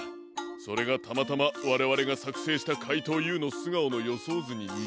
それがたまたまわれわれがさくせいしたかいとうＵのすがおのよそうずににていた。